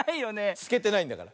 すけてないんだから。